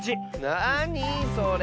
なにそれ？